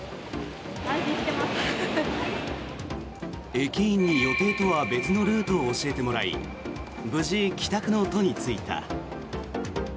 駅員に予定とは別のルートを教えてもらい無事、帰宅の途に就いた。